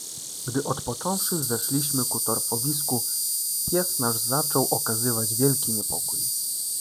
"Gdy odpocząwszy, zeszliśmy ku torfowisku, pies nasz zaczął okazywać wielki niepokój."